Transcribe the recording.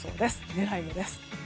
狙い目です。